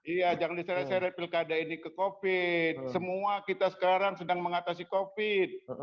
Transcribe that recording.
iya jangan diseret seret pilkada ini ke covid semua kita sekarang sedang mengatasi covid